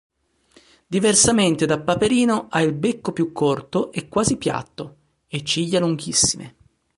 Diversamente da Paperino ha il becco più corto e quasi piatto e ciglia lunghissime.